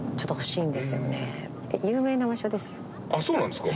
そうなんですか？